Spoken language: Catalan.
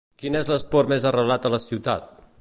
Quin és l'esport més arrelat a la ciutat?